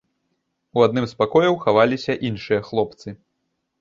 У адным з пакояў хаваліся іншыя хлопцы.